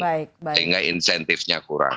sehingga insentifnya kurang